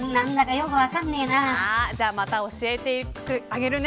じゃあまた教えてあげるね。